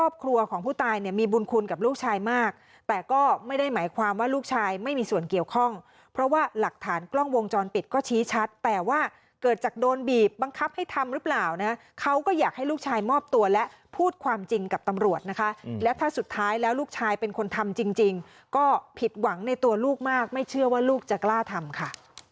โดนบีบบังคับให้ทำรึเปล่านะครับเขาก็อยากให้ลูกชายมอบตัวแล้วพูดความจริงกับตำรวจนะคะแล้วถ้าสุดท้ายลูกชายเป็นคนทำจริงก็ผิดหวังในตัวลูกมากไม่เชื่อว่าลูกจะกล้าทำค่ะ